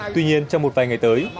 tuy nhiên trong một vài ngày tới